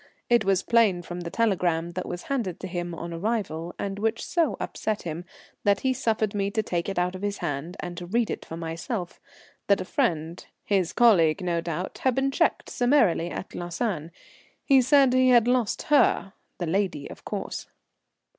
It was plain from the telegram that was handed to him on arrival, and which so upset him that he suffered me to take it out of his hand and to read it for myself, that a friend, his colleague, no doubt, had been checked summarily at Lausanne. He said he had lost "her," the lady of course.